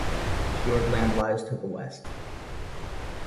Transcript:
Fiordland lies to the west.